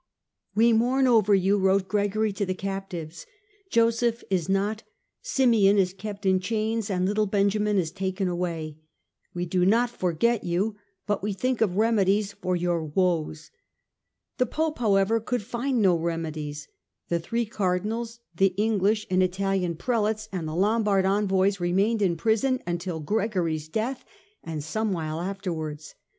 We mourn over you," wrote Gregory to the captives :" Joseph is not, Simeon is kept in chains and little Ben jamin is taken away ; we do not forget you, but we think of remedies for your woes." The Pope, however, could find no remedies. The three Cardinals, the English and Italian Prelates, and the Lombard envoys remained in prison until Gregory's death and some while afterwards.